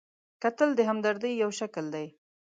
کتل د همدردۍ یو شکل دی